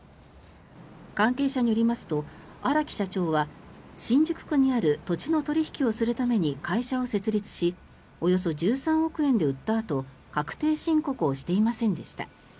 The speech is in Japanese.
関係者によりますと荒木社長は新宿区にある土地の取引をするために、会社を設立しおよそ１３億円で売ったあと確定申告をしていませんでした。